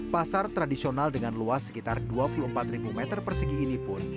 pasar tradisional dengan luas sekitar dua puluh empat meter persegi ini pun